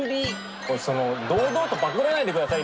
堂々とパクらないでください。